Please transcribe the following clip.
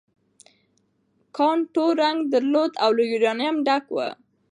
کان تور رنګ درلود او له یورانیم ډک و.